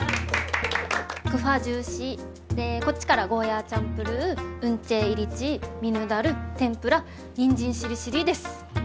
クファジューシーでこっちからゴーヤーチャンプルーウンチェーイリチーミヌダル天ぷらにんじんしりしりーです。